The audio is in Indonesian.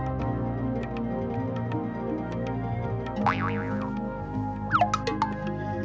bapak aku mau nulis buku tamu